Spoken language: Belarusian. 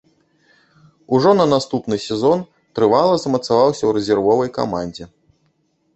Ужо на наступны сезон трывала замацаваўся ў рэзервовай камандзе.